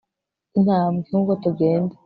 intambwe ... nkuko tugenda